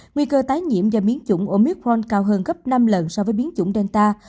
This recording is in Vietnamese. nguy cơ tái nhiễm do biến chủng omicron cao hơn gấp năm lần so với biến chủng delta